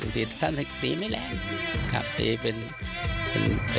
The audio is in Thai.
บางทีท่านตีไม่แรงครับตีเป็นแผงเมตตา